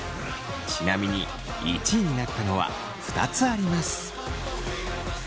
ちなみに１位になったのは２つあります。